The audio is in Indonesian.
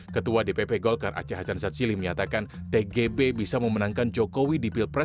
ketua dpp golkar aceh hasan satsili menyatakan tgb bisa memenangkan jokowi di pilpres dua ribu sembilan belas